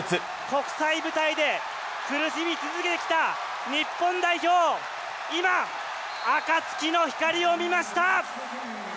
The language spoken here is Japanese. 国際舞台で苦しみ続けてきた日本代表、今、暁の光を見ました。